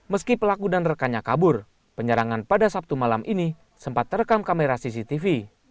meski pelaku dan rekannya kabur penyerangan pada sabtu malam ini sempat terekam kamera cctv